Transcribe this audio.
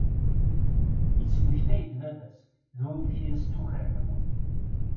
Yettmektay-d baba-s d wamk i as-tuker lmut.